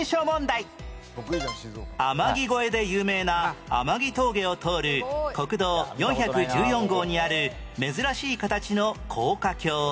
天城越えで有名な天城峠を通る国道４１４号にある珍しい形の高架橋